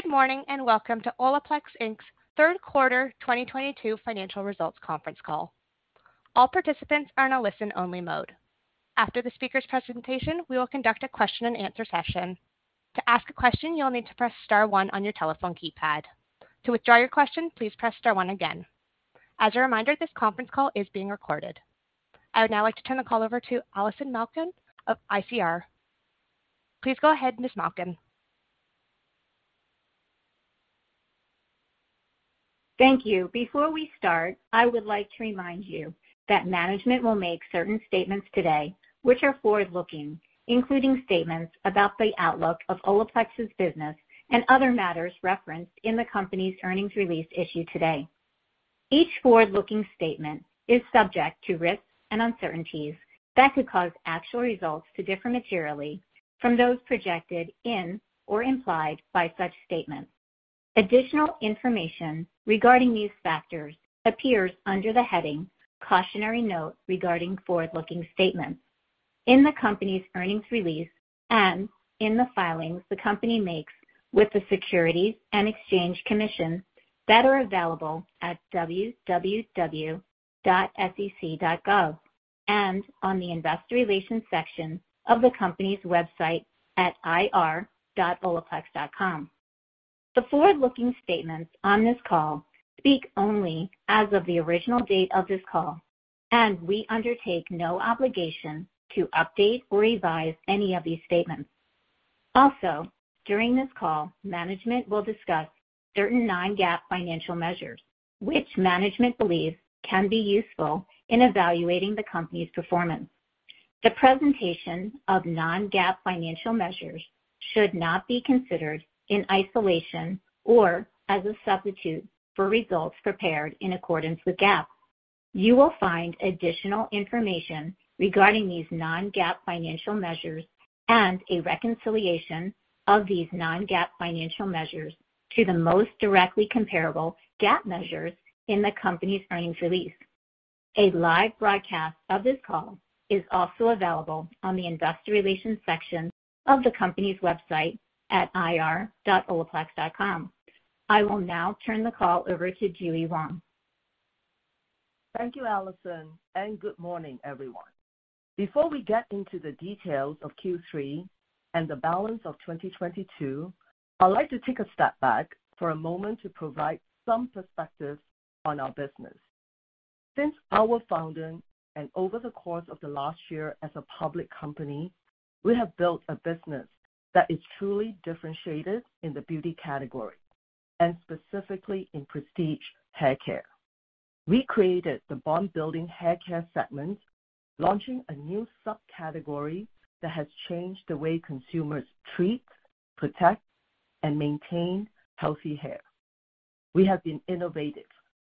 Good morning, and welcome to Olaplex, Inc.'s third quarter 2022 financial results conference call. All participants are in a listen-only mode. After the speaker's presentation, we will conduct a question and answer session. To ask a question, you'll need to press star one on your telephone keypad. To withdraw your question, please press star one again. As a reminder, this conference call is being recorded. I would now like to turn the call over to Allison Malkin of ICR. Please go ahead, Ms. Malkin. Thank you. Before we start, I would like to remind you that management will make certain statements today which are forward-looking, including statements about the outlook of Olaplex's business and other matters referenced in the company's earnings release issued today. Each forward-looking statement is subject to risks and uncertainties that could cause actual results to differ materially from those projected in or implied by such statements. Additional information regarding these factors appears under the heading Cautionary Note regarding Forward-Looking Statements in the company's earnings release and in the filings the company makes with the Securities and Exchange Commission that are available at www.sec.gov and on the investor relations section of the company's website at ir.olaplex.com. The forward-looking statements on this call speak only as of the original date of this call, and we undertake no obligation to update or revise any of these statements. Also, during this call, management will discuss certain non-GAAP financial measures which management believes can be useful in evaluating the company's performance. The presentation of non-GAAP financial measures should not be considered in isolation or as a substitute for results prepared in accordance with GAAP. You will find additional information regarding these non-GAAP financial measures and a reconciliation of these non-GAAP financial measures to the most directly comparable GAAP measures in the company's earnings release. A live broadcast of this call is also available on the investor relations section of the company's website at ir.olaplex.com. I will now turn the call over to JuE Wong. Thank you, Allison, and good morning, everyone. Before we get into the details of Q3 and the balance of 2022, I'd like to take a step back for a moment to provide some perspective on our business. Since our founding and over the course of the last year as a public company, we have built a business that is truly differentiated in the beauty category and specifically in prestige haircare. We created the bond building haircare segment, launching a new subcategory that has changed the way consumers treat, protect, and maintain healthy hair. We have been innovative,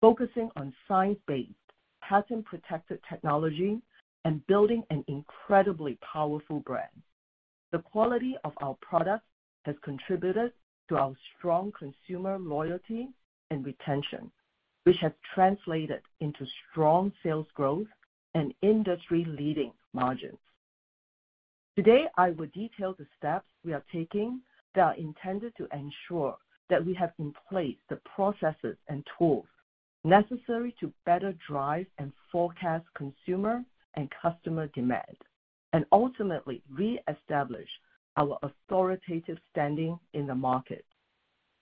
focusing on science-based, patent-protected technology and building an incredibly powerful brand. The quality of our product has contributed to our strong consumer loyalty and retention, which has translated into strong sales growth and industry-leading margins. Today, I will detail the steps we are taking that are intended to ensure that we have in place the processes and tools necessary to better drive and forecast consumer and customer demand and ultimately reestablish our authoritative standing in the market.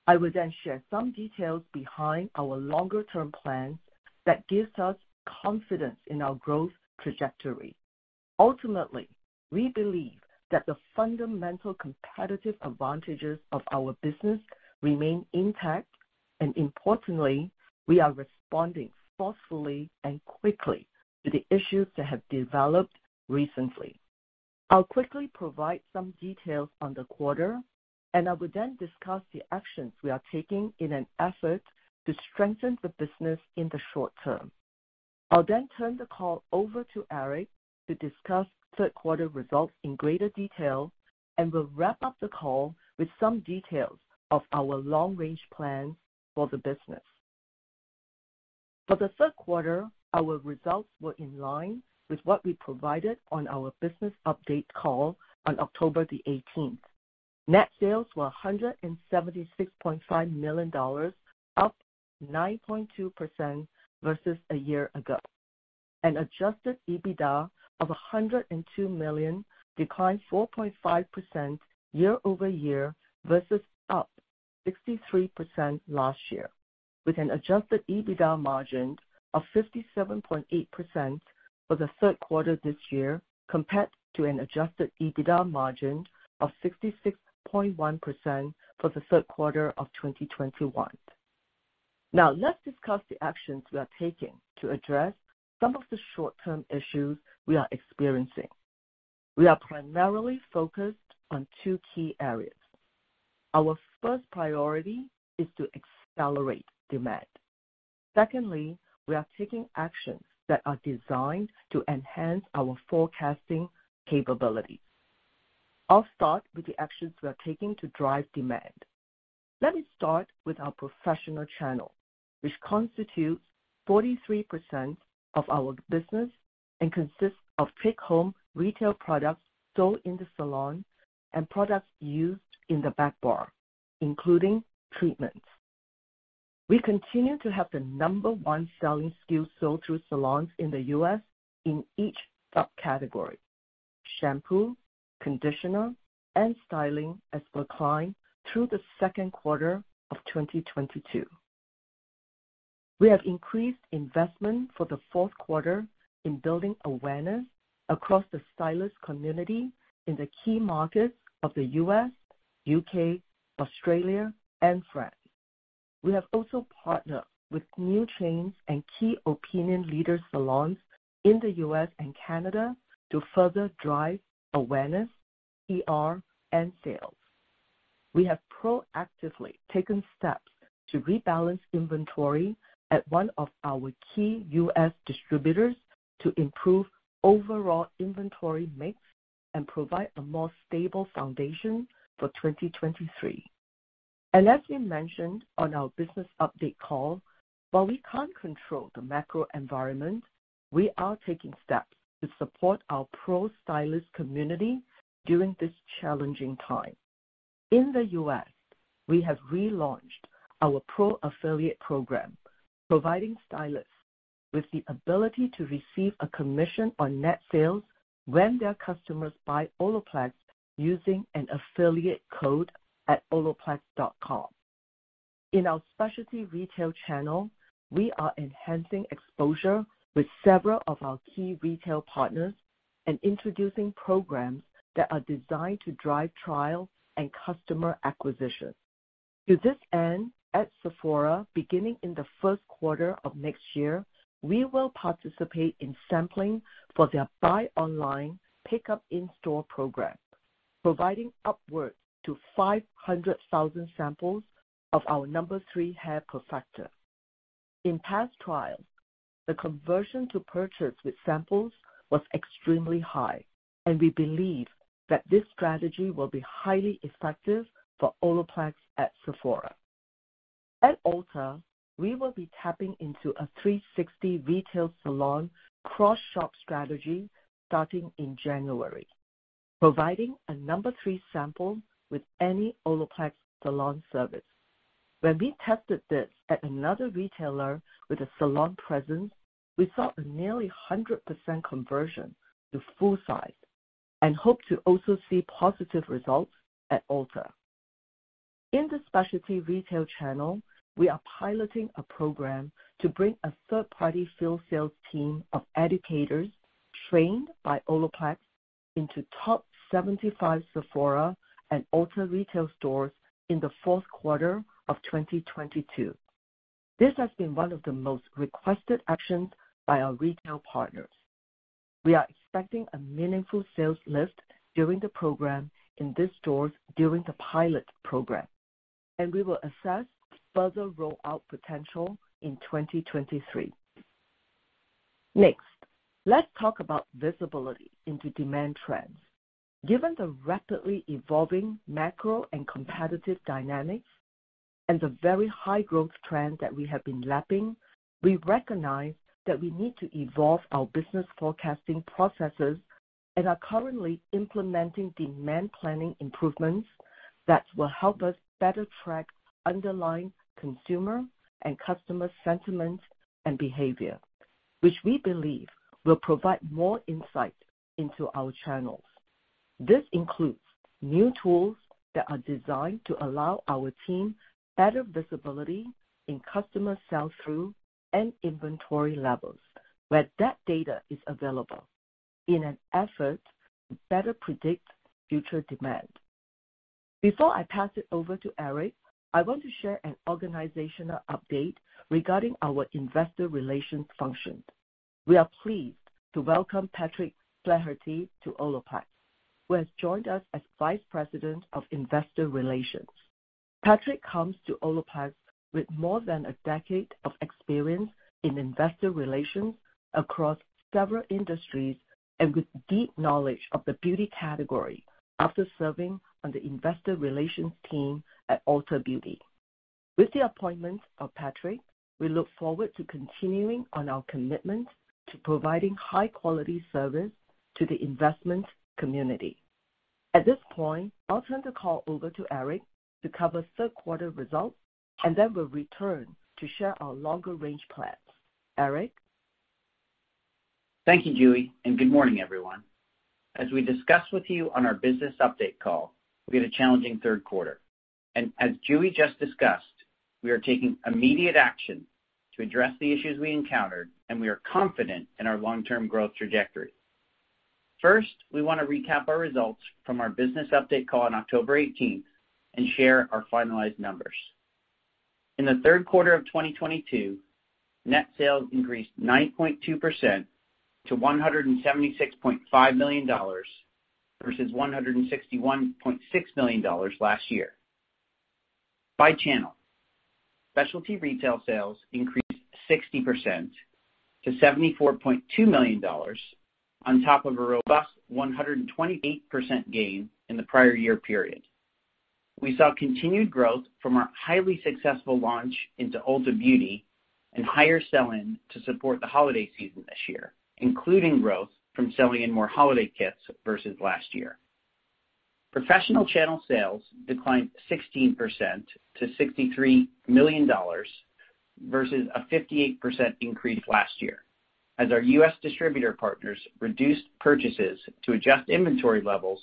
I will then share some details behind our longer-term plans that gives us confidence in our growth trajectory. Ultimately, we believe that the fundamental competitive advantages of our business remain intact, and importantly, we are responding forcefully and quickly to the issues that have developed recently. I'll quickly provide some details on the quarter, and I will then discuss the actions we are taking in an effort to strengthen the business in the short term. I'll then turn the call over to Eric to discuss third quarter results in greater detail and will wrap up the call with some details of our long-range plans for the business. For the third quarter, our results were in line with what we provided on our business update call on October 18. Net sales were $176.5 million, up 9.2% versus a year ago. An adjusted EBITDA of $102 million, declined 4.5% year-over-year versus up 63% last year, with an adjusted EBITDA margin of 57.8% for the third quarter this year, compared to an adjusted EBITDA margin of 66.1% for the third quarter of 2021. Now, let's discuss the actions we are taking to address some of the short-term issues we are experiencing. We are primarily focused on two key areas. Our first priority is to accelerate demand. Secondly, we are taking actions that are designed to enhance our forecasting capabilities. I'll start with the actions we are taking to drive demand. Let me start with our professional channel, which constitutes 43% of our business and consists of take-home retail products sold in the salon and products used in the back bar, including treatments. We continue to have the number one selling SKU sold through salons in the U.S. in each subcategory, shampoo, conditioner, and styling as per Kline through the second quarter of 2022. We have increased investment for the fourth quarter in building awareness across the stylist community in the key markets of the U.S., U.K., Australia, and France. We have also partnered with new chains and key opinion leader salons in the U.S. and Canada to further drive awareness, PR, and sales. We have proactively taken steps to rebalance inventory at one of our key U.S. distributors to improve overall inventory mix and provide a more stable foundation for 2023. as we mentioned on our business update call, while we can't control the macro environment, we are taking steps to support our pro stylist community during this challenging time. In the U.S., we have relaunched our pro affiliate program, providing stylists with the ability to receive a commission on net sales when their customers buy Olaplex using an affiliate code at olaplex.com. In our specialty retail channel, we are enhancing exposure with several of our key retail partners and introducing programs that are designed to drive trial and customer acquisition. To this end, at Sephora, beginning in the first quarter of next year, we will participate in sampling for their buy online, pickup in store program, providing upwards of 500,000 samples of our No. 3 Hair Perfector. In past trials, the conversion to purchase with samples was extremely high, and we believe that this strategy will be highly effective for Olaplex at Sephora. At Ulta, we will be tapping into a 360 retail salon cross-shop strategy starting in January, providing a No. 3 sample with any Olaplex salon service. When we tested this at another retailer with a salon presence, we saw a nearly 100% conversion to full size and hope to also see positive results at Ulta. In the specialty retail channel, we are piloting a program to bring a third-party field sales team of educators trained by Olaplex into top 75 Sephora and Ulta retail stores in the fourth quarter of 2022. This has been one of the most requested actions by our retail partners. We are expecting a meaningful sales lift during the program in these stores during the pilot program, and we will assess further rollout potential in 2023. Next, let's talk about visibility into demand trends. Given the rapidly evolving macro and competitive dynamics and the very high growth trend that we have been lapping, we recognize that we need to evolve our business forecasting processes and are currently implementing demand planning improvements that will help us better track underlying consumer and customer sentiment and behavior, which we believe will provide more insight into our channels. This includes new tools that are designed to allow our team better visibility in customer sell-through and inventory levels, where that data is available in an effort to better predict future demand. Before I pass it over to Eric, I want to share an organizational update regarding our investor relations function. We are pleased to welcome Patrick Flaherty to Olaplex, who has joined us as Vice President of Investor Relations. Patrick comes to Olaplex with more than a decade of experience in investor relations across several industries and with deep knowledge of the beauty category after serving on the investor relations team at Ulta Beauty. With the appointment of Patrick, we look forward to continuing on our commitment to providing high-quality service to the investment community. At this point, I'll turn the call over to Eric to cover third quarter results, and then we'll return to share our longer-range plans. Eric? Thank you, JuE Wong, and good morning, everyone. As we discussed with you on our business update call, we had a challenging third quarter. As JuE Wong just discussed, we are taking immediate action to address the issues we encountered, and we are confident in our long-term growth trajectory. First, we want to recap our results from our business update call on October 18 and share our finalized numbers. In the third quarter of 2022, net sales increased 9.2% to $176.5 million versus $161.6 million last year. By channel, specialty retail sales increased 60% to $74.2 million on top of a robust 128% gain in the prior year period. We saw continued growth from our highly successful launch into Ulta Beauty and higher sell-in to support the holiday season this year, including growth from selling in more holiday kits versus last year. Professional channel sales declined 16% to $63 million, versus a 58% increase last year, as our U.S. distributor partners reduced purchases to adjust inventory levels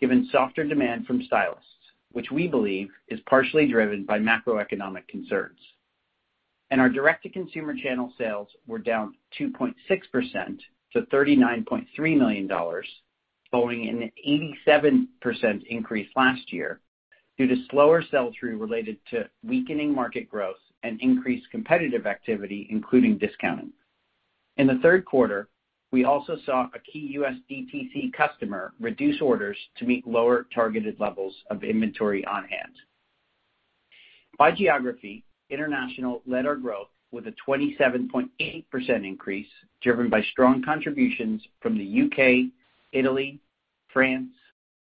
given softer demand from stylists, which we believe is partially driven by macroeconomic concerns. Our direct-to-consumer channel sales were down 2.6% to $39.3 million, following an 87% increase last year due to slower sell-through related to weakening market growth and increased competitive activity, including discounting. In the third quarter, we also saw a key U.S. DTC customer reduce orders to meet lower targeted levels of inventory on hand. By geography, international led our growth with a 27.8% increase, driven by strong contributions from the U.K., Italy, France,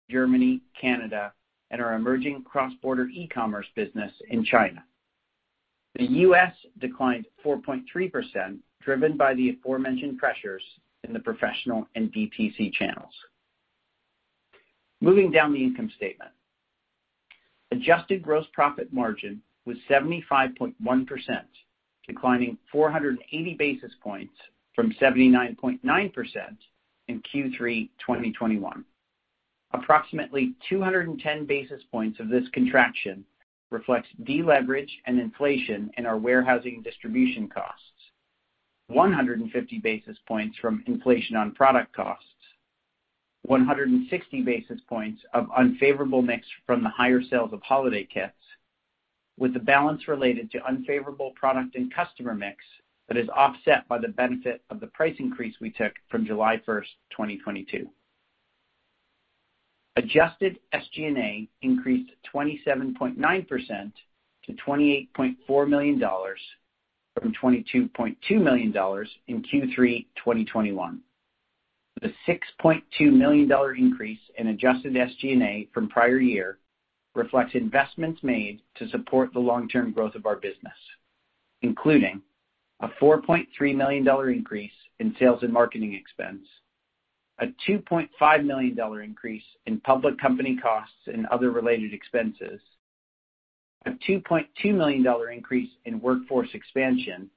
Germany, Canada, and our emerging cross-border e-commerce business in China. The US declined 4.3%, driven by the aforementioned pressures in the professional and DTC channels. Moving down the income statement. Adjusted gross profit margin was 75.1%, declining 480 basis points from 79.9% in Q3 2021. Approximately 210 basis points of this contraction reflects deleverage and inflation in our warehousing distribution costs. 150 basis points from inflation on product costs. 160 basis points of unfavorable mix from the higher sales of holiday kits with the balance related to unfavorable product and customer mix that is offset by the benefit of the price increase we took from July 1, 2022. Adjusted SG&A increased 27.9% to $28.4 million, from $22.2 million in Q3 2021. The $6.2 million increase in adjusted SG&A from prior year reflects investments made to support the long-term growth of our business, including a $4.3 million increase in sales and marketing expense, a $2.5 million increase in public company costs and other related expenses, a $2.2 million increase in workforce expansion,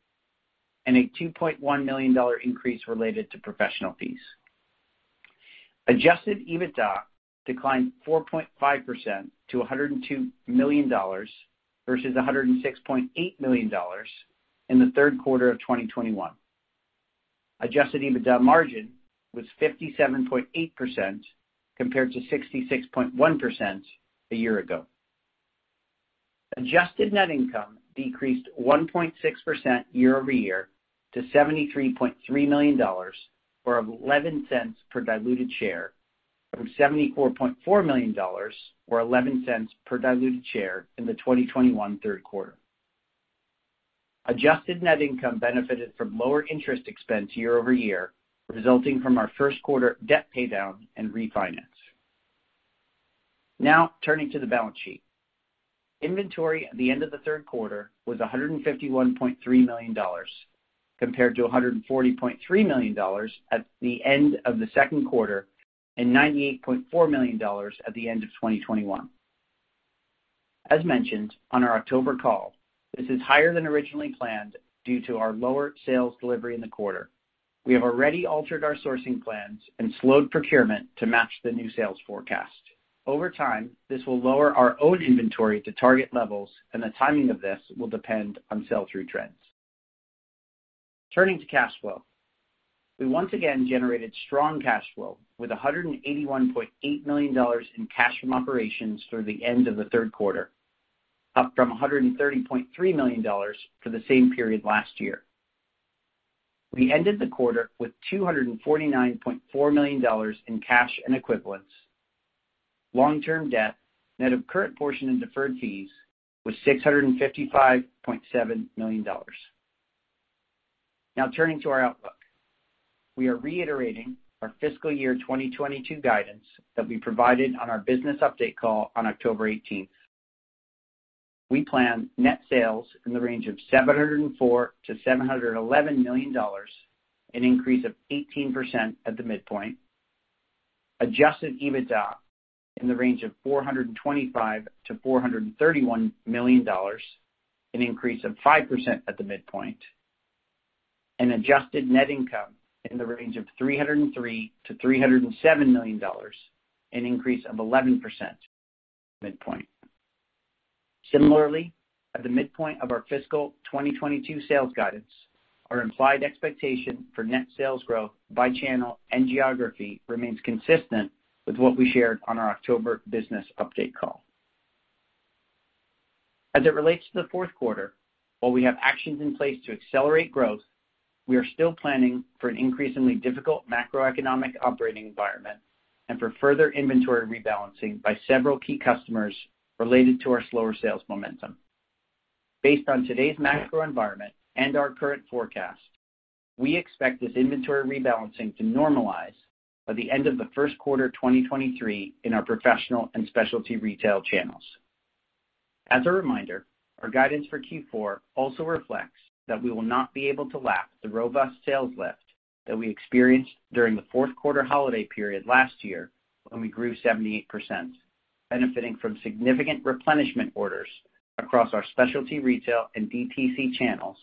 and a $2.1 million increase related to professional fees. Adjusted EBITDA declined 4.5% to $102 million versus $106.8 million in the third quarter of 2021. Adjusted EBITDA margin was 57.8% compared to 66.1% a year ago. Adjusted net income decreased 1.6% year-over-year to $73.3 million, or $0.11 per diluted share, from $74.4 million or $0.11 per diluted share in the 2021 third quarter. Adjusted net income benefited from lower interest expense year-over-year, resulting from our first quarter debt paydown and refinance. Now turning to the balance sheet. Inventory at the end of the third quarter was $151.3 million, compared to $140.3 million at the end of the second quarter and $98.4 million at the end of 2021. As mentioned on our October call, this is higher than originally planned due to our lower sales delivery in the quarter. We have already altered our sourcing plans and slowed procurement to match the new sales forecast. Over time, this will lower our own inventory to target levels and the timing of this will depend on sell-through trends. Turning to cash flow. We once again generated strong cash flow with $181.8 million in cash from operations through the end of the third quarter, up from $130.3 million for the same period last year. We ended the quarter with $249.4 million in cash and equivalents. Long-term debt, net of current portion and deferred fees, was $655.7 million. Now turning to our outlook. We are reiterating our fiscal year 2022 guidance that we provided on our business update call on October eighteenth. We plan net sales in the range of $704 million-$711 million, an increase of 18% at the midpoint. Adjusted EBITDA in the range of $425 million-$431 million, an increase of 5% at the midpoint. Adjusted net income in the range of $303 million-$307 million, an increase of 11% midpoint. Similarly, at the midpoint of our fiscal 2022 sales guidance, our implied expectation for net sales growth by channel and geography remains consistent with what we shared on our October business update call. As it relates to the fourth quarter, while we have actions in place to accelerate growth, we are still planning for an increasingly difficult macroeconomic operating environment and for further inventory rebalancing by several key customers related to our slower sales momentum. Based on today's macro environment and our current forecast, we expect this inventory rebalancing to normalize by the end of the first quarter, 2023 in our professional and specialty retail channels. As a reminder, our guidance for Q4 also reflects that we will not be able to lap the robust sales lift that we experienced during the fourth quarter holiday period last year when we grew 78%, benefiting from significant replenishment orders across our specialty retail and DTC channels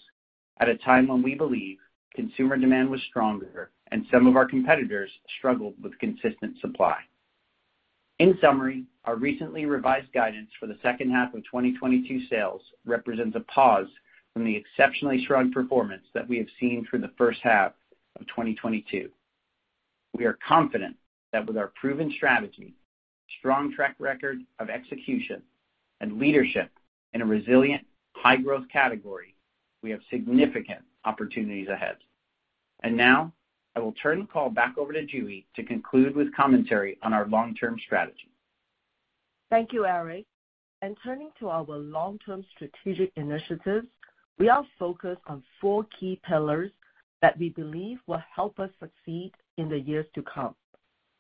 at a time when we believe consumer demand was stronger and some of our competitors struggled with consistent supply. In summary, our recently revised guidance for the second half of 2022 sales represents a pause from the exceptionally strong performance that we have seen through the first half of 2022. We are confident that with our proven strategy, strong track record of execution, and leadership in a resilient high-growth category, we have significant opportunities ahead. Now, I will turn the call back over to JuE Wong to conclude with commentary on our long-term strategy. Thank you, Eric. In turning to our long-term strategic initiatives, we are focused on four key pillars that we believe will help us succeed in the years to come.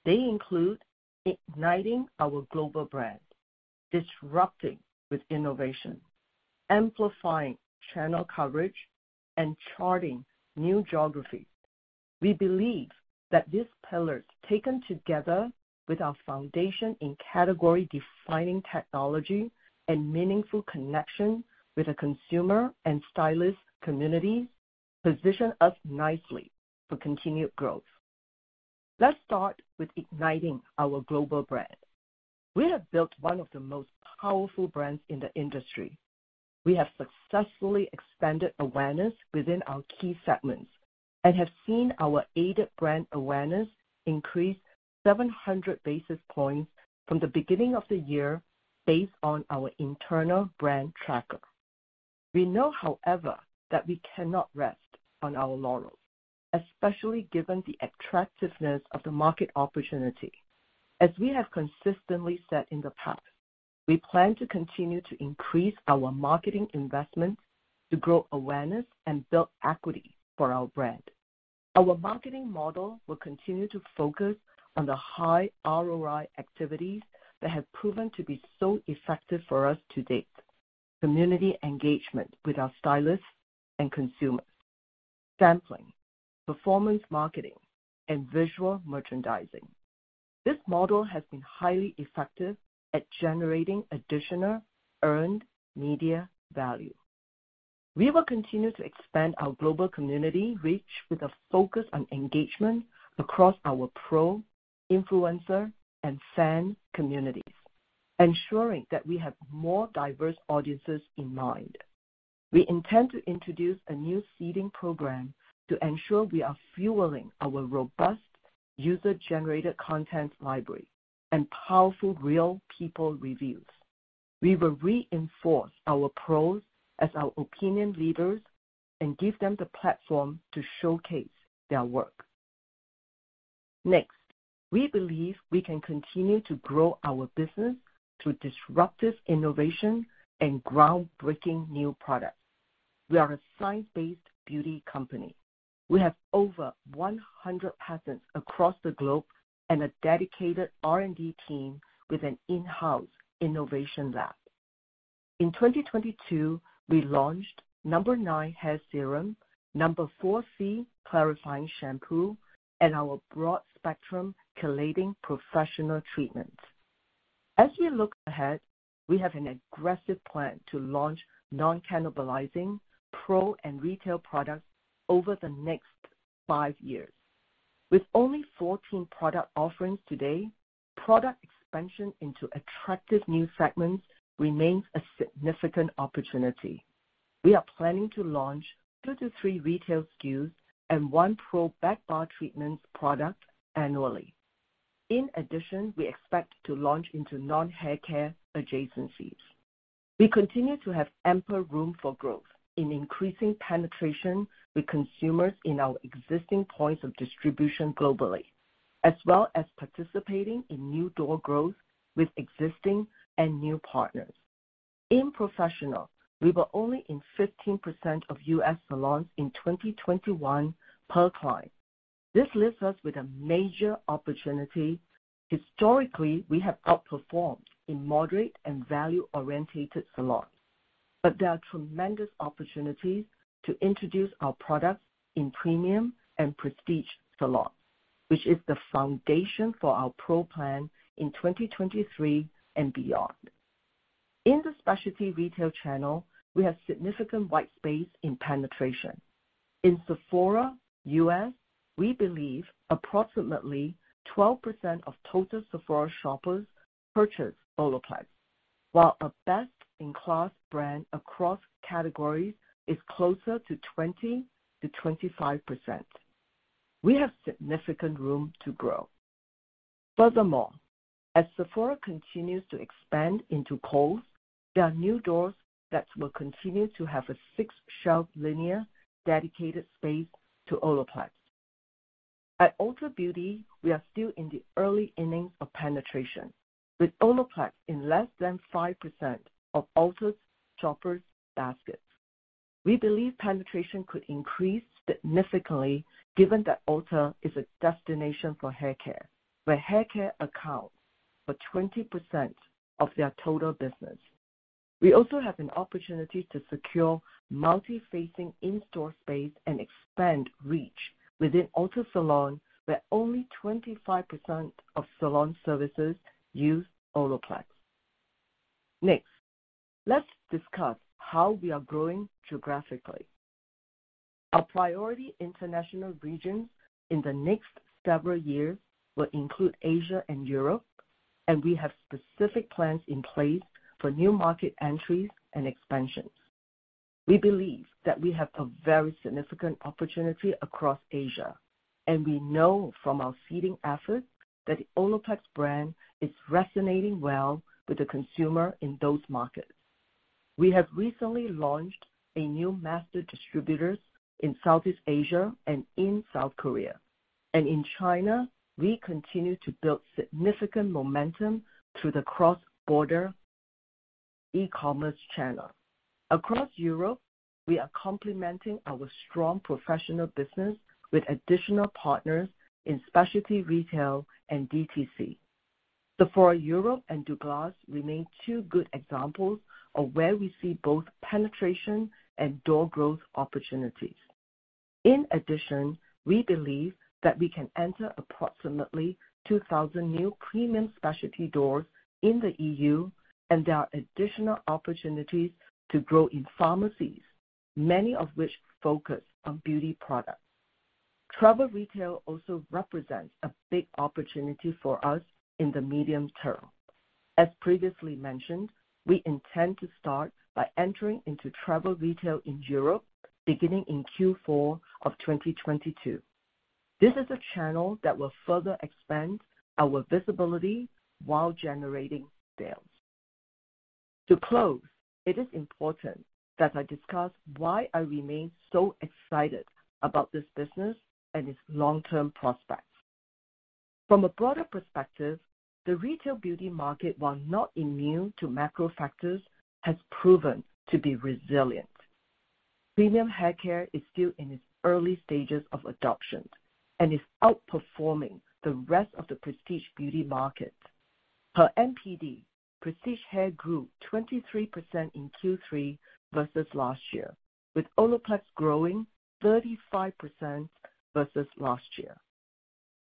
They include igniting our global brand, disrupting with innovation, amplifying channel coverage, and charting new geographies. We believe that these pillars, taken together with our foundation in category-defining technology and meaningful connection with the consumer and stylist community, position us nicely for continued growth. Let's start with igniting our global brand. We have built one of the most powerful brands in the industry. We have successfully expanded awareness within our key segments and have seen our aided brand awareness increase 700 basis points from the beginning of the year based on our internal brand tracker. We know, however, that we cannot rest on our laurels, especially given the attractiveness of the market opportunity. As we have consistently said in the past, we plan to continue to increase our marketing investments to grow awareness and build equity for our brand. Our marketing model will continue to focus on the high ROI activities that have proven to be so effective for us to date, community engagement with our stylists and consumers, sampling, performance marketing, and visual merchandising. This model has been highly effective at generating additional earned media value. We will continue to expand our global community reach with a focus on engagement across our pro, influencer, and fan communities, ensuring that we have more diverse audiences in mind. We intend to introduce a new seeding program to ensure we are fueling our robust user-generated content library and powerful real people reviews. We will reinforce our pros as our opinion leaders and give them the platform to showcase their work. Next, we believe we can continue to grow our business through disruptive innovation and groundbreaking new products. We are a science-based beauty company. We have over 100 patents across the globe and a dedicated R&D team with an in-house innovation lab. In 2022, we launched No. 9 Bond Protector Nourishing Hair Serum, No. 4C Bond Maintenance Clarifying Shampoo, and our Broad Spectrum Chelating Treatment. As we look ahead, we have an aggressive plan to launch non-cannibalizing pro and retail products over the next 5 years. With only 14 product offerings today, product expansion into attractive new segments remains a significant opportunity. We are planning to launch 2-3 retail SKUs and 1 pro backbar treatments product annually. In addition, we expect to launch into non-haircare adjacencies. We continue to have ample room for growth in increasing penetration with consumers in our existing points of distribution globally, as well as participating in new door growth with existing and new partners. In professional, we were only in 15% of US salons in 2021 per Kline. This leaves us with a major opportunity. Historically, we have outperformed in moderate and value-oriented salons, but there are tremendous opportunities to introduce our products in premium and prestige salons, which is the foundation for our pro plan in 2023 and beyond. In the specialty retail channel, we have significant white space in penetration. In Sephora US, we believe approximately 12% of total Sephora shoppers purchase Olaplex, while a best-in-class brand across categories is closer to 20%-25%. We have significant room to grow. Furthermore. As Sephora continues to expand into Kohl's, there are new doors that will continue to have a six-shelf linear dedicated space to Olaplex. At Ulta Beauty, we are still in the early innings of penetration, with Olaplex in less than 5% of Ulta's shoppers' baskets. We believe penetration could increase significantly given that Ulta is a destination for hair care, where hair care accounts for 20% of their total business. We also have an opportunity to secure multi-facing in-store space and expand reach within Ulta Salon, where only 25% of salon services use Olaplex. Next, let's discuss how we are growing geographically. Our priority international regions in the next several years will include Asia and Europe, and we have specific plans in place for new market entries and expansions. We believe that we have a very significant opportunity across Asia, and we know from our seeding efforts that Olaplex brand is resonating well with the consumer in those markets. We have recently launched a new master distributors in Southeast Asia and in South Korea. In China, we continue to build significant momentum through the cross-border e-commerce channel. Across Europe, we are complementing our strong professional business with additional partners in specialty retail and DTC. Sephora Europe and Douglas remain two good examples of where we see both penetration and door growth opportunities. In addition, we believe that we can enter approximately 2,000 new premium specialty doors in the EU, and there are additional opportunities to grow in pharmacies, many of which focus on beauty products. Travel retail also represents a big opportunity for us in the medium term. As previously mentioned, we intend to start by entering into travel retail in Europe, beginning in Q4 of 2022. This is a channel that will further expand our visibility while generating sales. To close, it is important that I discuss why I remain so excited about this business and its long-term prospects. From a broader perspective, the retail beauty market, while not immune to macro factors, has proven to be resilient. Premium haircare is still in its early stages of adoption and is outperforming the rest of the prestige beauty market. Per NPD, prestige hair grew 23% in Q3 versus last year, with Olaplex growing 35% versus last year.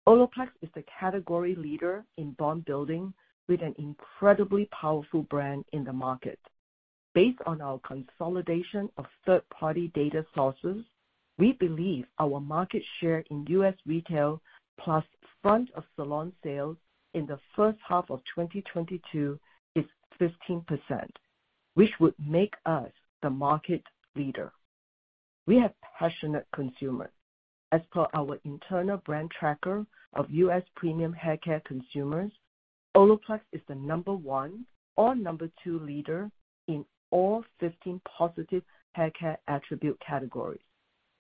Olaplex is the category leader in bond building with an incredibly powerful brand in the market. Based on our consolidation of third-party data sources, we believe our market share in U.S. retail, plus front-of-salon sales in the first half of 2022 is 15%, which would make us the market leader. We have passionate consumers. As per our internal brand tracker of U.S. premium haircare consumers, Olaplex is the number one or number two leader in all 15 positive haircare attribute categories,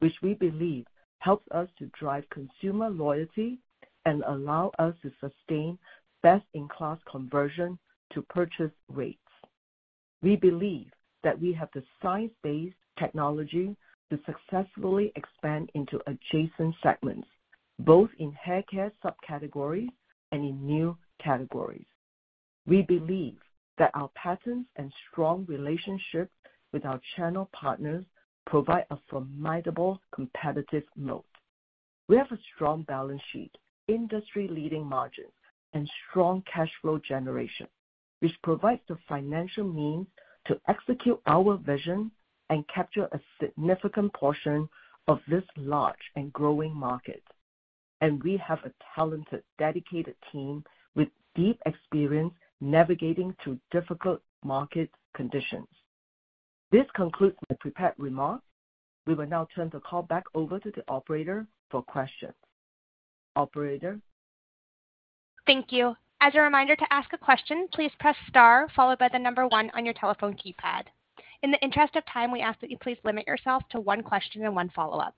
which we believe helps us to drive consumer loyalty and allow us to sustain best-in-class conversion to purchase rates. We believe that we have the science-based technology to successfully expand into adjacent segments, both in haircare subcategories and in new categories. We believe that our patents and strong relationships with our channel partners provide a formidable competitive moat. We have a strong balance sheet, industry-leading margins, and strong cash flow generation, which provides the financial means to execute our vision and capture a significant portion of this large and growing market. We have a talented, dedicated team with deep experience navigating through difficult market conditions. This concludes my prepared remarks. We will now turn the call back over to the operator for questions. Operator? Thank you. As a reminder, to ask a question, please press star followed by the number one on your telephone keypad. In the interest of time, we ask that you please limit yourself to one question and one follow-up.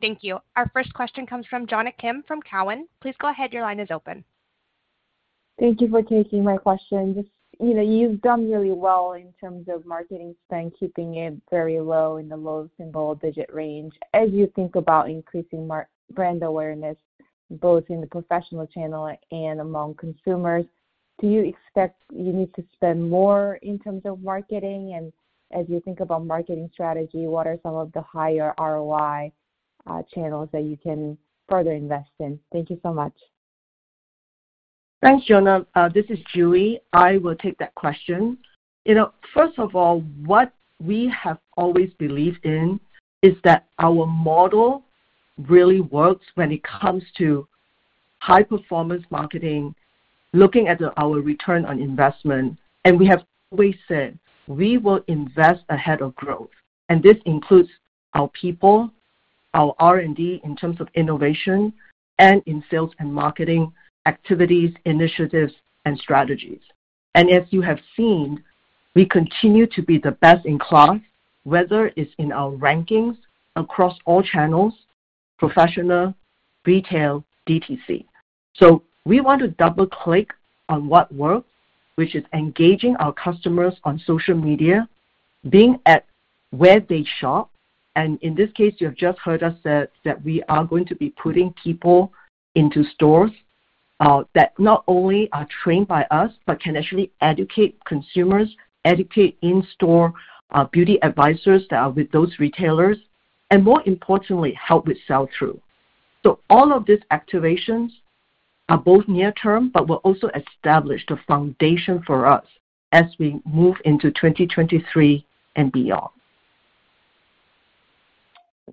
Thank you. Our first question comes from Jonna Kim from Cowen. Please go ahead. Your line is open. Thank you for taking my question. You know, you've done really well in terms of marketing spend, keeping it very low in the low single digit range. As you think about increasing brand awareness, both in the professional channel and among consumers, do you expect you need to spend more in terms of marketing? As you think about marketing strategy, what are some of the higher ROI channels that you can further invest in? Thank you so much. Thanks, Jonna. This is JuE. I will take that question. You know, first of all, what we have always believed in is that our model really works when it comes to high-performance marketing, looking at our return on investment, and we have always said, we will invest ahead of growth, and this includes our people. Our R&D in terms of innovation and in sales and marketing activities, initiatives, and strategies. As you have seen, we continue to be the best in class, whether it's in our rankings across all channels, professional, retail, DTC. We want to double-click on what works, which is engaging our customers on social media, being at where they shop, and in this case, you have just heard us say that we are going to be putting people into stores, that not only are trained by us, but can actually educate consumers, educate in-store, beauty advisors that are with those retailers, and more importantly, help with sell-through. All of these activations are both near term but will also establish the foundation for us as we move into 2023 and beyond.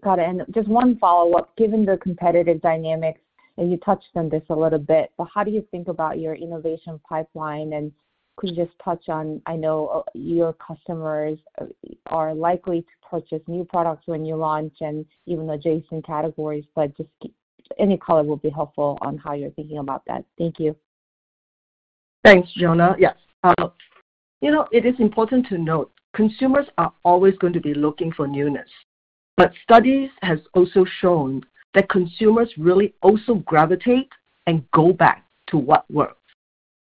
Got it. Just one follow-up, given the competitive dynamics, and you touched on this a little bit, but how do you think about your innovation pipeline? Could you just touch on, I know your customers are likely to purchase new products when you launch and even adjacent categories, but just any color will be helpful on how you're thinking about that. Thank you. Thanks, Jonah. Yes. You know, it is important to note consumers are always going to be looking for newness. Studies has also shown that consumers really also gravitate and go back to what works.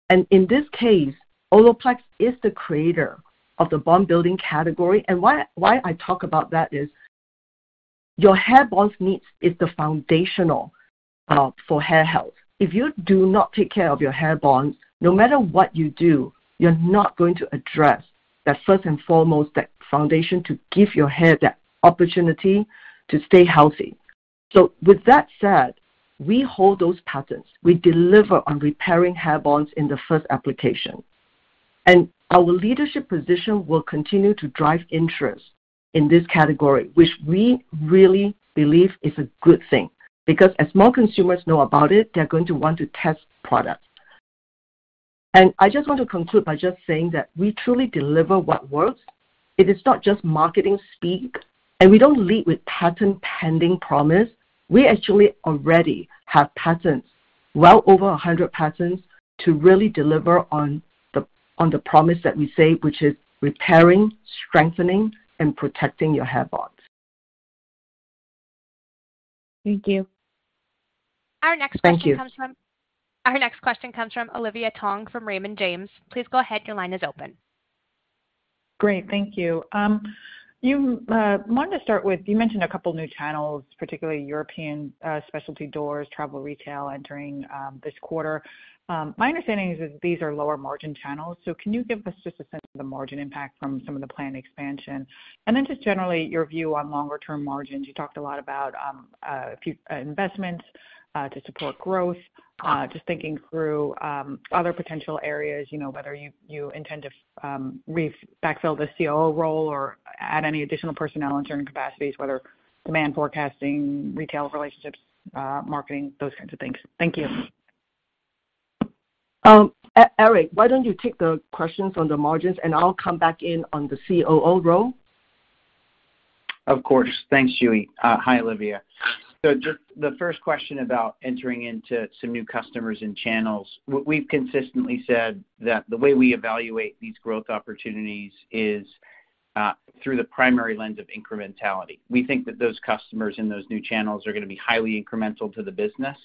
In this case, Olaplex is the creator of the bond-building category. Why I talk about that is your hair bonds needs is the foundation all for hair health. If you do not take care of your hair bonds, no matter what you do, you're not going to address that first and foremost, that foundation to give your hair that opportunity to stay healthy. With that said, we hold those patents. We deliver on repairing hair bonds in the first application. Our leadership position will continue to drive interest in this category, which we really believe is a good thing because as more consumers know about it, they're going to want to test products. I just want to conclude by just saying that we truly deliver what works. It is not just marketing speak, and we don't lead with patent-pending promise. We actually already have patents, well over 100 patents, to really deliver on the promise that we say, which is repairing, strengthening, and protecting your hair bonds. Thank you. Thank you. Our next question comes from Olivia Tong from Raymond James. Please go ahead. Your line is open. Great. Thank you. You wanted to start with, you mentioned a couple of new channels, particularly European specialty doors, travel retail entering this quarter. My understanding is that these are lower margin channels. Can you give us just a sense of the margin impact from some of the planned expansion? Just generally your view on longer-term margins. You talked a lot about few investments to support growth. Just thinking through other potential areas, you know, whether you intend to re-backfill the COO role or add any additional personnel in certain capacities, whether demand forecasting, retail relationships, marketing, those kinds of things. Thank you. Eric, why don't you take the questions on the margins and I'll come back in on the COO role? Of course. Thanks, JuE. Hi, Olivia. Just the first question about entering into some new customers and channels. We've consistently said that the way we evaluate these growth opportunities is through the primary lens of incrementality. We think that those customers in those new channels are gonna be highly incremental to the business.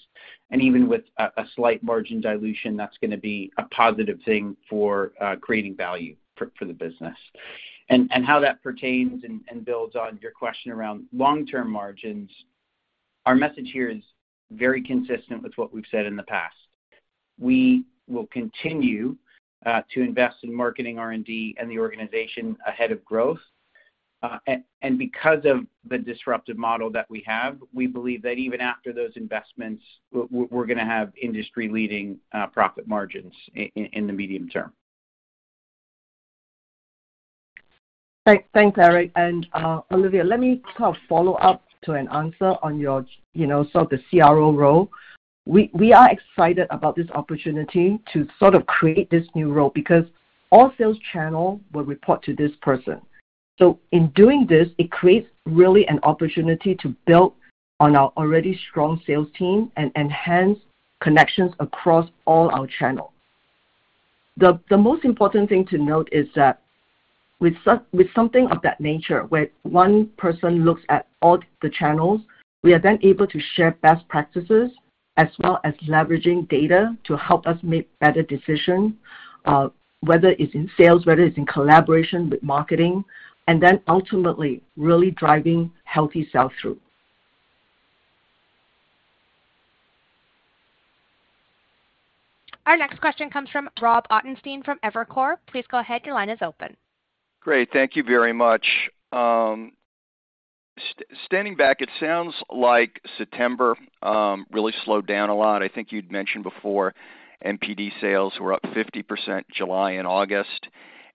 Even with a slight margin dilution, that's gonna be a positive thing for creating value for the business. How that pertains and builds on your question around long-term margins, our message here is very consistent with what we've said in the past. We will continue to invest in marketing R&D and the organization ahead of growth. Because of the disruptive model that we have, we believe that even after those investments, we're gonna have industry-leading profit margins in the medium term. Thanks, Eric. Olivia, let me kind of follow up to an answer on your sort of the COO role. We are excited about this opportunity to sort of create this new role because all sales channel will report to this person. In doing this, it creates really an opportunity to build on our already strong sales team and enhance connections across all our channels. The most important thing to note is that with something of that nature, where one person looks at all the channels, we are then able to share best practices as well as leveraging data to help us make better decisions, whether it's in sales, whether it's in collaboration with marketing, and then ultimately really driving healthy sell-through. Our next question comes from Robert Ottenstein from Evercore. Please go ahead. Your line is open. Great. Thank you very much. Standing back, it sounds like September really slowed down a lot. I think you'd mentioned before NPD sales were up 50% July and August,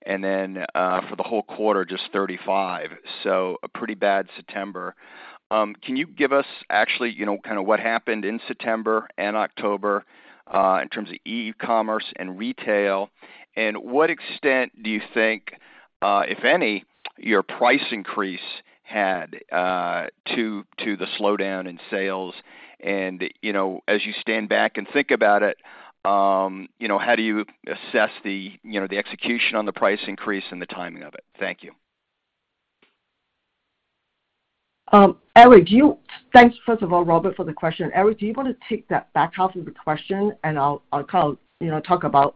and then for the whole quarter, just 35%. A pretty bad September. Can you give us actually, you know, kind of what happened in September and October in terms of e-commerce and retail? To what extent do you think, if any Your price increase had to the slowdown in sales. You know, as you stand back and think about it, you know, how do you assess the, you know, the execution on the price increase and the timing of it? Thank you. Thanks, first of all, Robert, for the question. Eric, do you wanna take that back half of the question and I'll call, you know, talk about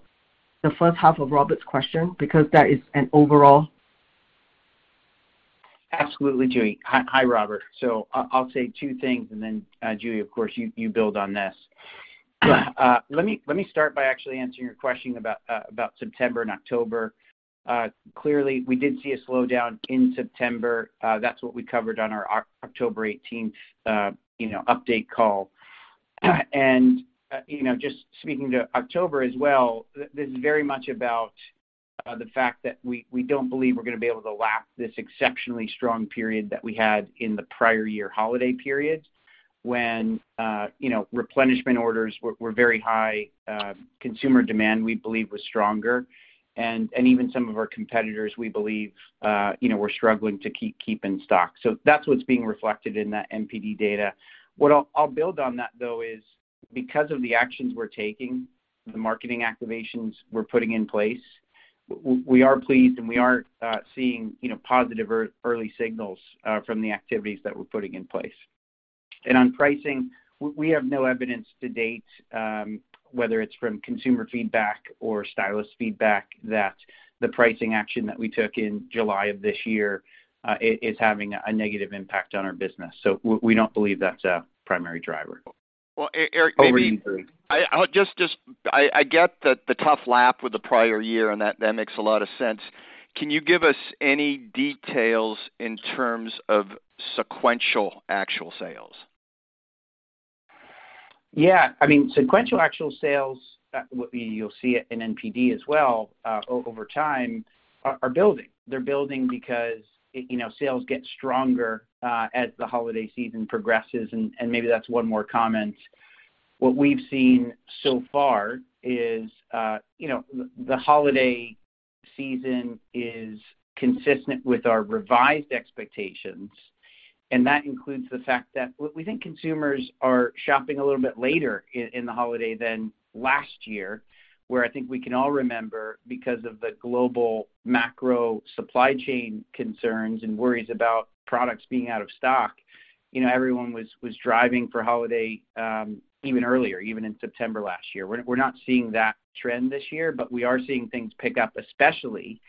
the first half of Robert's question because that is an overall. Absolutely, JuE. Hi, Robert. I'll say two things and then, JuE, of course, you build on this. Let me start by actually answering your question about September and October. Clearly, we did see a slowdown in September. That's what we covered on our October eighteenth, you know, update call. You know, just speaking to October as well, this is very much about the fact that we don't believe we're gonna be able to lap this exceptionally strong period that we had in the prior year holiday period when you know, replenishment orders were very high, consumer demand, we believe was stronger. Even some of our competitors, we believe, you know, were struggling to keep in stock. That's what's being reflected in that NPD data. I'll build on that, though, because of the actions we're taking, the marketing activations we're putting in place. We are pleased and we are seeing, you know, positive early signals from the activities that we're putting in place. On pricing, we have no evidence to date, whether it's from consumer feedback or stylist feedback, that the pricing action that we took in July of this year is having a negative impact on our business. We don't believe that's a primary driver. Well, Eric, maybe. Over the period. I'll just, I get the tough comp with the prior year, and that makes a lot of sense. Can you give us any details in terms of sequential net sales? Yeah. I mean, sequential actual sales, you'll see it in NPD as well, over time are building. They're building because it, you know, sales get stronger as the holiday season progresses, and maybe that's one more comment. What we've seen so far is, you know, the holiday season is consistent with our revised expectations, and that includes the fact that we think consumers are shopping a little bit later in the holiday than last year, where I think we can all remember because of the global macro supply chain concerns and worries about products being out of stock. You know, everyone was driving for holiday even earlier, even in September last year. We're not seeing that trend this year, but we are seeing things pick up, especially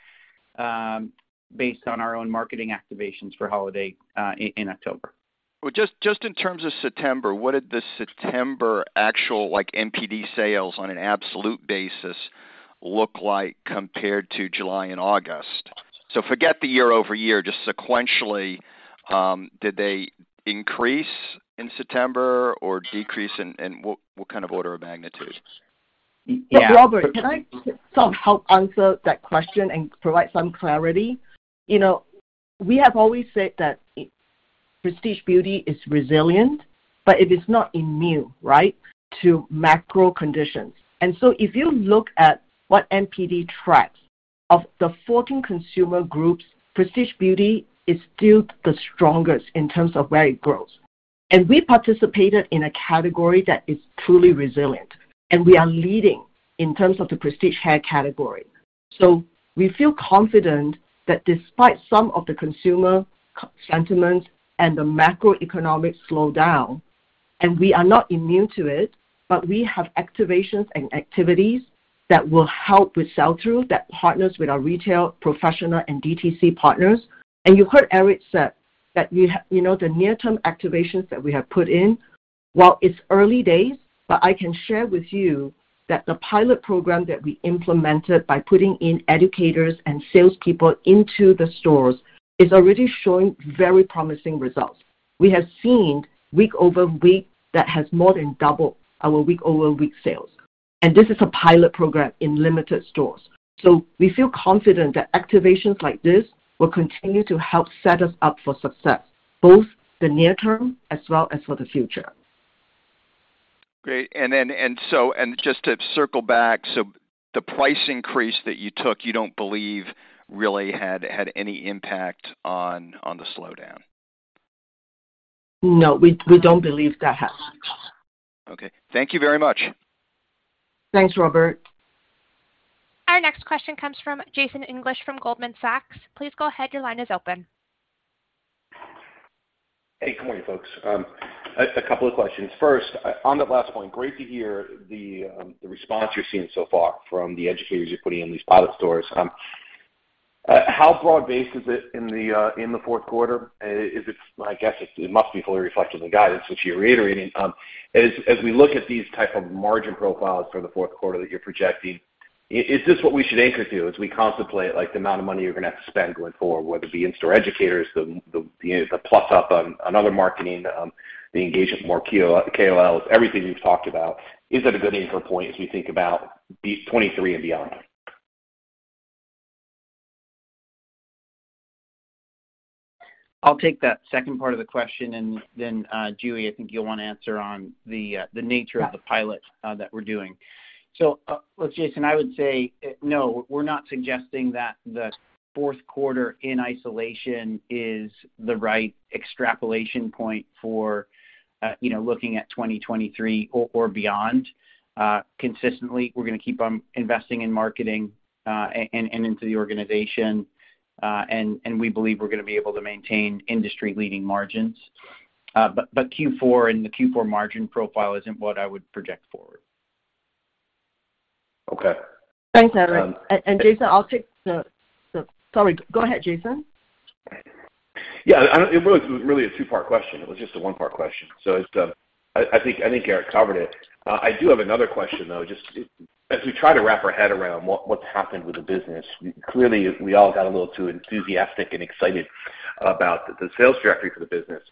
based on our own marketing activations for holiday in October. Well, just in terms of September, what did the September actual, like NPD sales on an absolute basis look like compared to July and August? Forget the year-over-year, just sequentially, did they increase in September or decrease? What kind of order of magnitude? Yeah. Robert, can I so help answer that question and provide some clarity? You know, we have always said that prestige beauty is resilient, but it is not immune, right, to macro conditions. If you look at what NPD tracks of the 14 consumer groups, prestige beauty is still the strongest in terms of where it grows. We participated in a category that is truly resilient, and we are leading in terms of the prestige hair category. We feel confident that despite some of the consumer sentiments and the macroeconomic slowdown, and we are not immune to it, but we have activations and activities that will help with sell-through, that partners with our retail professional and DTC partners. You heard Eric said that we, you know, the near-term activations that we have put in, while it's early days, but I can share with you that the pilot program that we implemented by putting in educators and salespeople into the stores is already showing very promising results. We have seen week-over-week that has more than doubled our week-over-week sales. This is a pilot program in limited stores. We feel confident that activations like this will continue to help set us up for success, both the near term as well as for the future. Great. Just to circle back, the price increase that you took, you don't believe really had any impact on the slowdown? No, we don't believe that has. Okay. Thank you very much. Thanks, Robert. Our next question comes from Jason English from Goldman Sachs. Please go ahead, your line is open. Hey, good morning, folks. A couple of questions. First, on that last point, great to hear the response you're seeing so far from the educators you're putting in these pilot stores. How broad-based is it in the fourth quarter? I guess it must be fully reflected in the guidance, which you're reiterating. As we look at these type of margin profiles for the fourth quarter that you're projecting, is this what we should anchor to as we contemplate, like, the amount of money you're gonna have to spend going forward, whether it be in-store educators, the you know, the plus up on ad marketing, the engagement more KOLs, everything you've talked about. Is that a good anchor point as we think about these 2023 and beyond? I'll take that second part of the question, and then, JuE Wong, I think you'll wanna answer on the nature of the pilot, that we're doing. Look, Jason English, I would say, no, we're not suggesting that the fourth quarter in isolation is the right extrapolation point for, you know, looking at 2023 or beyond. Consistently, we're gonna keep on investing in marketing, and into the organization, and we believe we're gonna be able to maintain industry-leading margins. Q4 and the Q4 margin profile isn't what I would project forward. Okay. Thanks, Eric. Jason, sorry. Go ahead, Jason. It wasn't really a two-part question. It was just a one-part question. So, I think Eric covered it. I do have another question, though. Just as we try to wrap our head around what's happened with the business, clearly we all got a little too enthusiastic and excited about the sales trajectory for the business.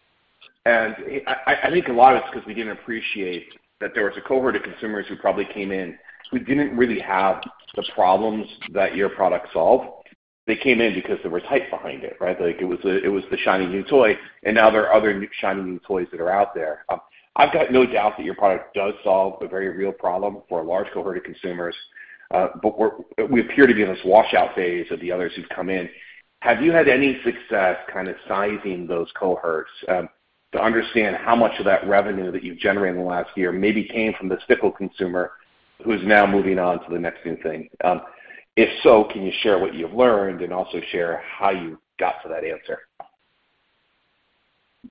I think a lot it's 'cause we didn't appreciate that there was a cohort of consumers who probably came in who didn't really have the problems that your product solved. They came in because there was hype behind it, right? Like it was the shiny new toy, and now there are other new shiny new toys that are out there. I've got no doubt that your product does solve a very real problem for a large cohort of consumers, but we appear to be in this washout phase of the others who've come in. Have you had any success kinda sizing those cohorts, to understand how much of that revenue that you've generated in the last year maybe came from this fickle consumer who's now moving on to the next new thing? If so, can you share what you've learned and also share how you got to that answer?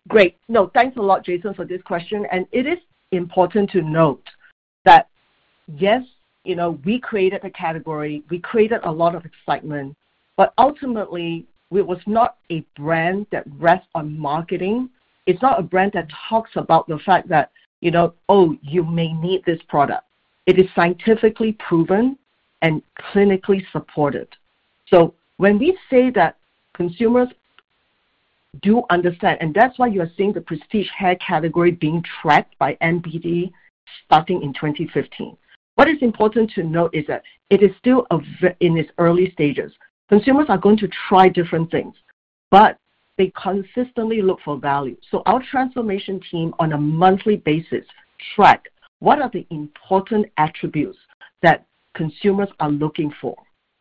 Great. No, thanks a lot, Jason, for this question. It is important to note that, yes, you know, we created the category, we created a lot of excitement, but ultimately it was not a brand that rests on marketing. It's not a brand that talks about the fact that, you know, oh, you may need this product. It is scientifically proven and clinically supported. When we say that consumers do understand, and that's why you're seeing the prestige hair category being tracked by NPD starting in 2015. What is important to note is that it is still in its early stages. Consumers are going to try different things, but they consistently look for value. Our transformation team on a monthly basis track what are the important attributes that consumers are looking for.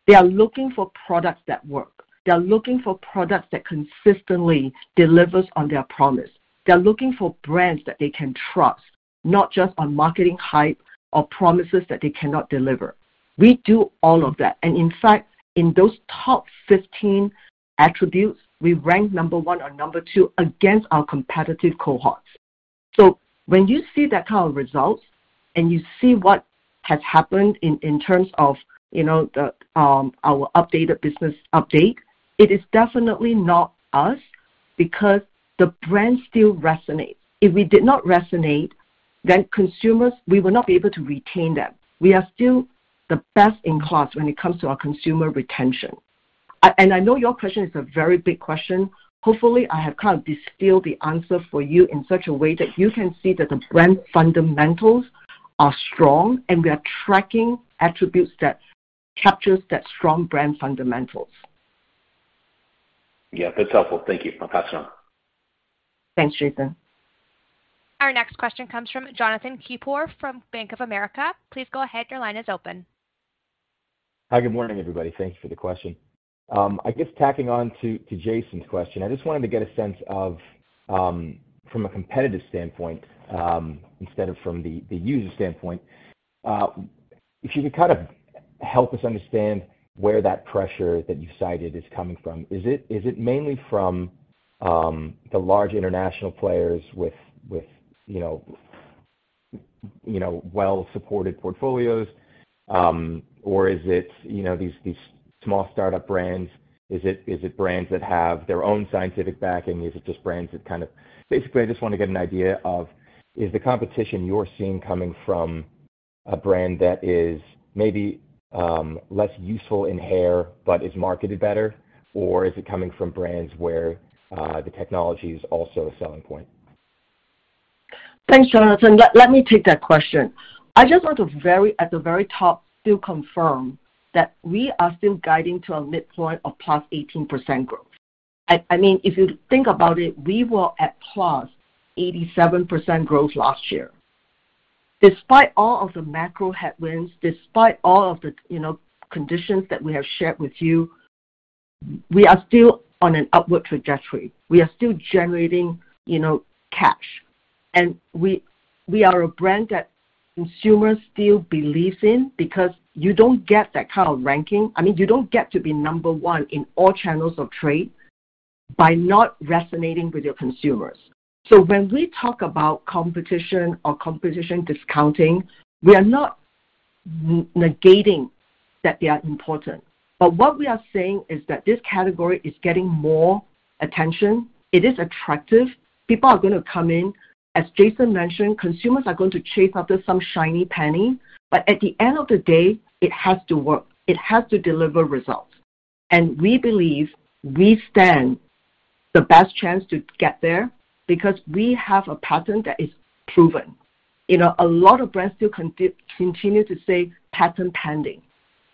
They are looking for products that work. They are looking for products that consistently delivers on their promise. They're looking for brands that they can trust, not just on marketing hype or promises that they cannot deliver. We do all of that, and in fact, in those top 15 attributes, we rank number one or number two against our competitive cohorts. When you see that kind of results and you see what has happened in terms of, you know, our updated business update, it is definitely not us because the brand still resonates. If we did not resonate, then consumers, we will not be able to retain them. We are still the best in class when it comes to our consumer retention. And I know your question is a very big question. Hopefully, I have kind of distilled the answer for you in such a way that you can see that the brand fundamentals are strong, and we are tracking attributes that captures that strong brand fundamentals. Yeah. That's helpful. Thank you, JuE Wong. Thanks, Jason. Our next question comes from Jonathan Keypour from Bank of America. Please go ahead. Your line is open. Hi. Good morning, everybody. Thank you for the question. I guess tacking on to Jason's question, I just wanted to get a sense of, from a competitive standpoint, instead of from the user standpoint, if you could kinda help us understand where that pressure that you cited is coming from. Is it mainly from the large international players with you know well-supported portfolios? Or is it you know these small startup brands? Is it brands that have their own scientific backing? Is it just brands? Basically, I just wanna get an idea of, is the competition you're seeing coming from a brand that is maybe less useful in hair but is marketed better? Or is it coming from brands where the technology is also a selling point? Thanks, Jonathan. Let me take that question. I just want to very, at the very top, still confirm that we are still guiding to a midpoint of +18% growth. I mean, if you think about it, we were at +87% growth last year. Despite all of the macro headwinds, despite all of the, you know, conditions that we have shared with you, we are still on an upward trajectory. We are still generating, you know, cash. And we are a brand that consumers still believes in because you don't get that kind of ranking. I mean, you don't get to be number one in all channels of trade by not resonating with your consumers. So when we talk about competition or competition discounting, we are not negating that they are important. But what we are saying is that this category is getting more attention. It is attractive. People are gonna come in. As Jason mentioned, consumers are going to chase after some shiny penny. But at the end of the day, it has to work. It has to deliver results. We believe we stand the best chance to get there because we have a patent that is proven. You know, a lot of brands still continue to say patent pending.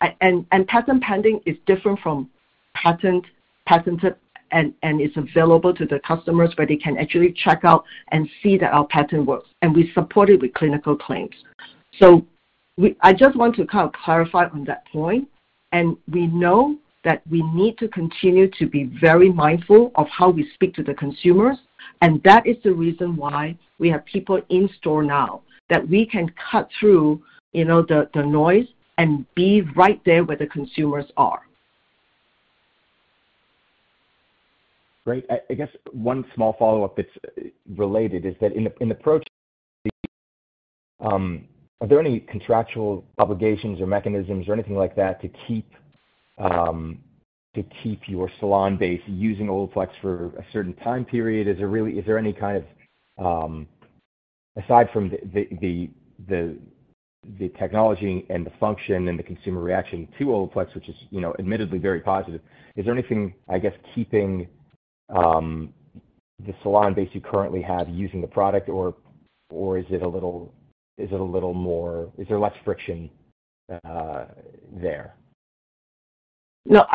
Patent pending is different from patent, patented, and it's available to the customers, where they can actually check out and see that our patent works, and we support it with clinical claims. I just want to kind of clarify on that point. We know that we need to continue to be very mindful of how we speak to the consumers, and that is the reason why we have people in store now, that we can cut through, you know, the noise and be right there where the consumers are. Great. I guess one small follow-up that's related is that in the approach, are there any contractual obligations or mechanisms or anything like that to keep your salon base using Olaplex for a certain time period? Is there any kind of aside from the technology and the function and the consumer reaction to Olaplex, which is, you know, admittedly very positive, is there anything, I guess, keeping the salon base you currently have using the product, or is it a little more. Is there less friction there? No.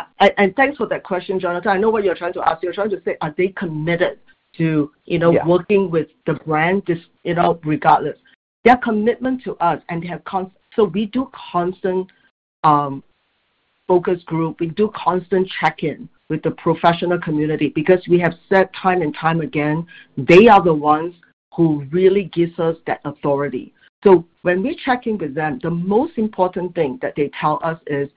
Thanks for that question, Jonathan. I know what you're trying to ask. You're trying to say, are they committed to, you know? Yeah. You know, regardless. Their commitment to us. We do constant focus group. We do constant check-in with the professional community because we have said time and time again, they are the ones who really gives us that authority. When we're checking with them, the most important thing that they tell us is,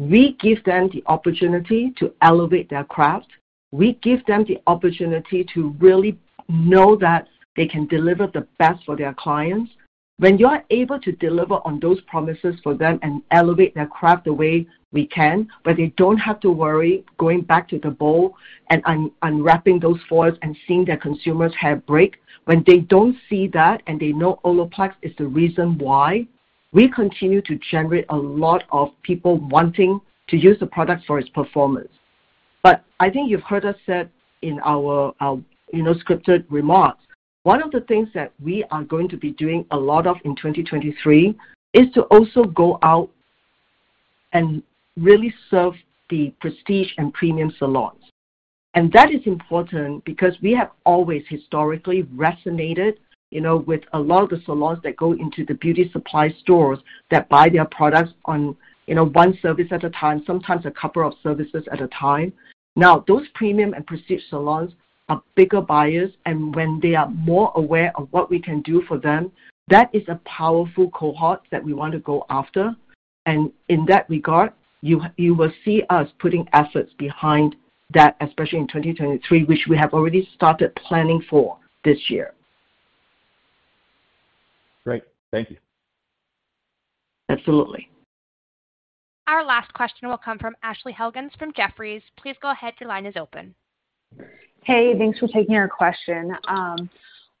we give them the opportunity to elevate their craft. We give them the opportunity to really know that they can deliver the best for their clients. When you're able to deliver on those promises for them and elevate their craft the way we can, where they don't have to worry going back to the bowl and unwrapping those foils and seeing their consumer's hair break. When they don't see that and they know Olaplex is the reason why, we continue to generate a lot of people wanting to use the product for its performance. I think you've heard us said in our, you know, scripted remarks, one of the things that we are going to be doing a lot of in 2023 is to also go out and really serve the prestige and premium salons. That is important because we have always historically resonated, you know, with a lot of the salons that go into the beauty supply stores that buy their products on, you know, one service at a time, sometimes a couple of services at a time. Now, those premium and prestige salons are bigger buyers. When they are more aware of what we can do for them, that is a powerful cohort that we want to go after. In that regard, you will see us putting efforts behind that, especially in 2023, which we have already started planning for this year. Great. Thank you. Absolutely. Our last question will come from Ashley Helgans from Jefferies. Please go ahead. Your line is open. Hey, thanks for taking our question.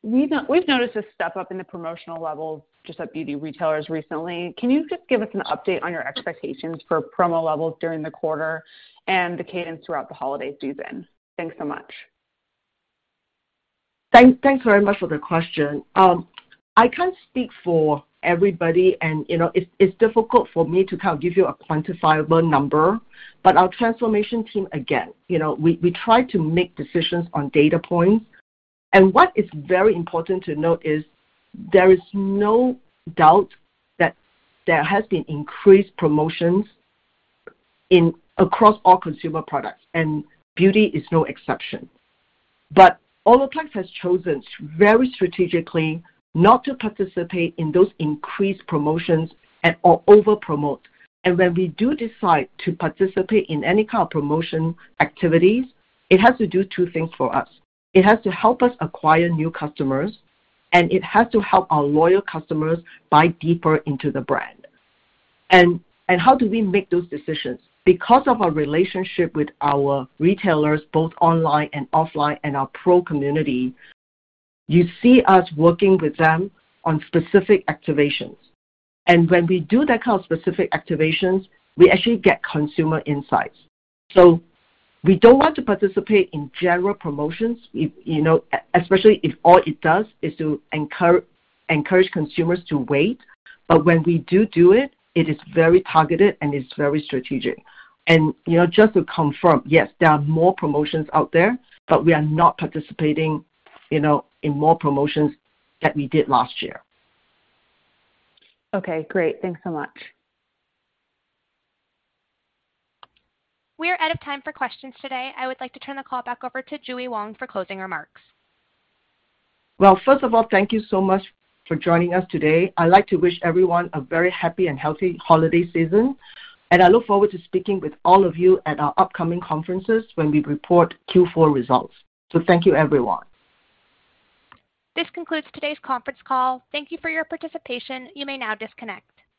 We've noticed a step-up in the promotional level just at beauty retailers recently. Can you just give us an update on your expectations for promo levels during the quarter and the cadence throughout the holiday season? Thanks so much. Thanks very much for the question. I can't speak for everybody, you know, it's difficult for me to kind of give you a quantifiable number. Our transformation team, again, you know, we try to make decisions on data points. What is very important to note is there is no doubt that there has been increased promotions across all consumer products, and beauty is no exception. Olaplex has chosen very strategically not to participate in those increased promotions or over promote. When we do decide to participate in any kind of promotion activities, it has to do two things for us. It has to help us acquire new customers, and it has to help our loyal customers buy deeper into the brand. How do we make those decisions? Because of our relationship with our retailers, both online and offline, and our pro community, you see us working with them on specific activations. When we do that kind of specific activations, we actually get consumer insights. We don't want to participate in general promotions, we, you know, especially if all it does is to encourage consumers to wait. When we do it is very targeted, and it's very strategic. You know, just to confirm, yes, there are more promotions out there, but we are not participating, you know, in more promotions than we did last year. Okay. Great. Thanks so much. We are out of time for questions today. I would like to turn the call back over to JuE Wong for closing remarks. Well, first of all, thank you so much for joining us today. I'd like to wish everyone a very happy and healthy holiday season, and I look forward to speaking with all of you at our upcoming conferences when we report Q4 results. Thank you, everyone. This concludes today's conference call. Thank you for your participation. You may now disconnect.